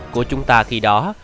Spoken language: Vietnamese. của chúng ta khi đó